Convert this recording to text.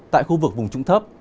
tại khu vực vùng trung thấp